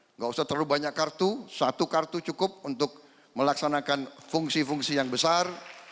tidak usah terlalu banyak kartu satu kartu cukup untuk melaksanakan fungsi fungsi yang besar